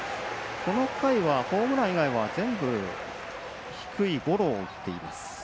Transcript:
この回はホームラン以外は全部低いゴロを打っています。